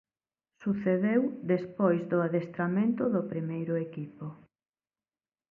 Sucedeu despois do adestramento do primeiro equipo.